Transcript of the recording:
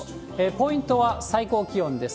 ポイントは最高気温です。